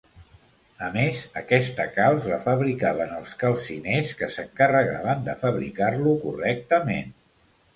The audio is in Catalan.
A més, aquesta calç la fabricaven els calciners que s'encarregaven de fabricar-lo correctament.